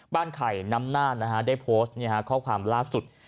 ไข่น้ำน่านได้โพสต์ข้อความล่าสุด